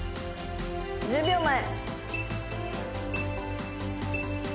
１０秒前。